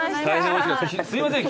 すいません